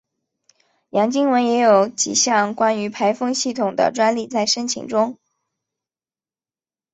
杨经文也有几项关于排风系统的专利在申请中。